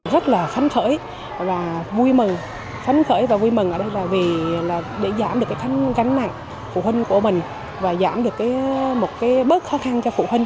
rất là phánh khởi và vui mừng phánh khởi và vui mừng là để giảm được cái cánh mạnh của phụ huynh của mình và giảm được một cái bớt khó khăn cho phụ huynh